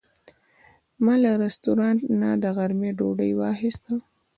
ما له رستورانت نه د غرمې ډوډۍ واخیسته.